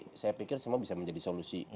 jadi saya pikir semua bisa menjadi solusi